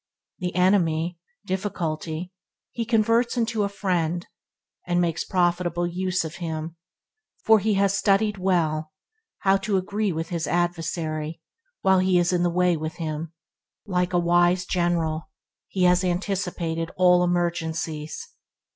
The enemy, Difficulty, he converts into a friend, and makes profitable use of him, for he has studied well how to "agree with his adversary while he is in the way with him", Like a wise general, he has anticipated all emergencies.